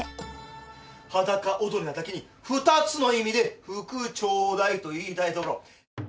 裸踊りなだけに２つの意味でふくちょうだいと言いたいところ。